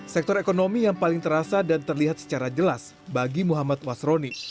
sektor ekonomi yang paling terasa dan terlihat secara jelas bagi muhammad wasroni